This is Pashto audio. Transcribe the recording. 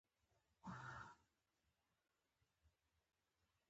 مېز د کور او دفتر دواړو لپاره ضروري دی.